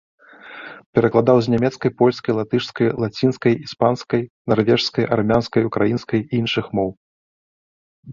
Перакладаў з нямецкай, польскай, латышскай, лацінскай, іспанскай, нарвежскай, армянскай, украінскай і іншых моў.